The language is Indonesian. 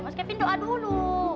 mas kevin doa dulu